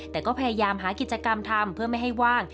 แต่ก็พยายามหากิจกรรมทำเพื่อไม่ให้ว่าง